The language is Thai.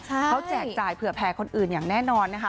เขาแจกจ่ายเผื่อแผ่คนอื่นอย่างแน่นอนนะคะ